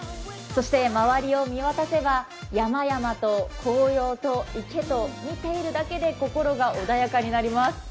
そして周りを見渡せば、山々と紅葉と池と見ているだけで心が穏やかになります。